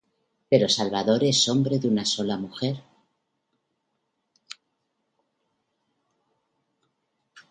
Pero Salvador es hombre de una sola mujer.